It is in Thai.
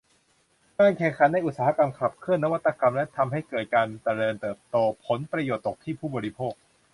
การแข่งขันในอุตสาหกรรมขับเคลื่อนนวัตกรรมและทำให้เกิดการเจริญเติบโต ผลประโยชน์ตกที่ผู้บริโภค